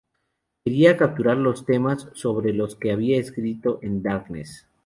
Quería capturar los temas sobre los que había escrito en "Darkness".